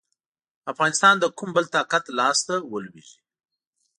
افغانستان د کوم بل طاقت لاسته ولوېږي.